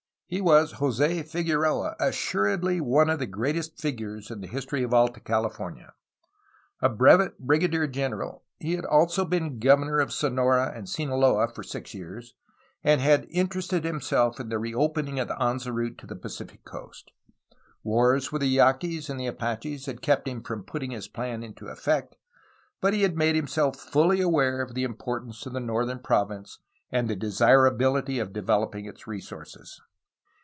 He was Jos6 Figueroa, assuredly one of the greatest figures in the history of Alta California. A brevet brigadier general, he had also been governor of Sonora and Sinaloa for six years, and had interested himself in reopening the Anza route to the Pacific coast. Wars with the Yaquis and the Apaches had kept him from putting his plan into effect, but he had made himself fully aware of the importance of the northern province and the desirabihty of developing its resources.